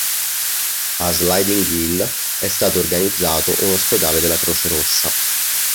A Sliding Hill è stato organizzato un ospedale della Croce Rossa.